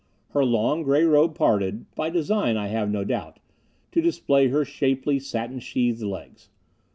Her long, gray robe parted by design, I have no doubt to display her shapely, satin sheathed legs.